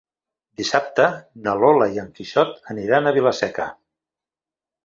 Dissabte na Lola i en Quixot aniran a Vila-seca.